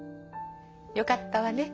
よかったわね